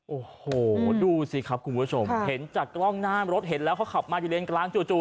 โอ้โหดูสิครับคุณผู้ชมเห็นจากกล้องหน้ารถเห็นแล้วเขาขับมาอยู่เลนกลางจู่